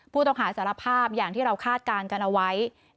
ผู้ต้องหาสารภาพอย่างที่เราคาดการณ์กันเอาไว้